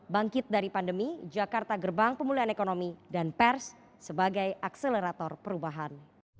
bangkit dari pandemi jakarta gerbang pemulihan ekonomi dan pers sebagai akselerator perubahan